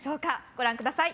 ご覧ください。